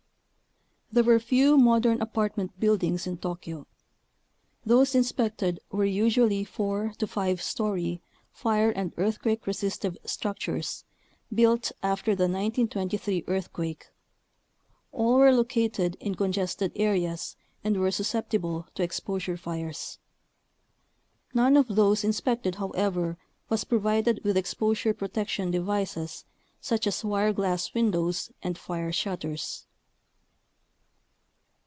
There were few modern apartment build ings in Tokyo. Those inspected were usually 4 to 5 story, fire and earthquake resistive structures, built after the 1923 earthquake. All were located in congested areas and were susceptible to exposure fires. None of those inspected, however, was provided with exposure protection devices such as wire glass windows and fire shutters.